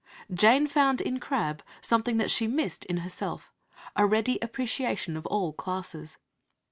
Jane found in Crabbe something that she missed in herself, a ready appreciation of all classes.